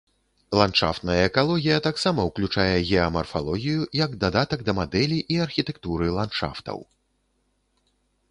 Ландшафтная экалогія таксама ўключае геамарфалогію, як дадатак да мадэлі і архітэктуры ландшафтаў.